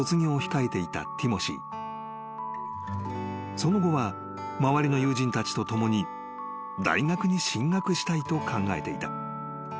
［その後は周りの友人たちと共に大学に進学したいと考えていた］